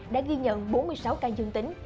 đã ghi nhận bốn mươi sáu ca dương tính